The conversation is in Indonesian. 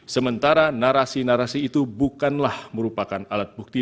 sementara narasi narasi itu bukanlah merupakan alat bukti